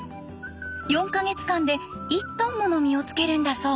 ４か月間で１トンもの実をつけるんだそう。